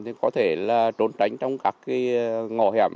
thì có thể là trốn tránh trong các cái ngõ hẻm